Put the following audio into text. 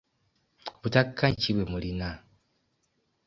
Butakkaanya ki bwe muyina?